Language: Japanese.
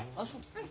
うん。